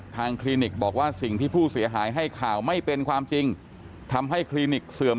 ทางคลินิกก็บอกว่ายังไม่ขอให้ข้อมูลตรงนี้นะครับ